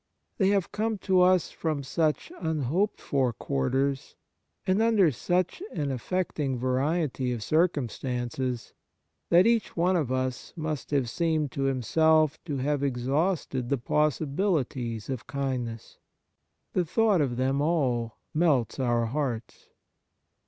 They have come to us from such unhoped for quarters, and under such an affecting variety of circumstances, that each one of us must have seemed to himself to have exhausted the possibilities of kindness. The thought of them all melts our hearts.